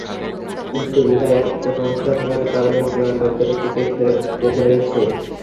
কিন্তু ভিসায় একটা সমস্যা থাকার কারণে বিমানবন্দর থেকেই ফেরত যেতে হয়েছে।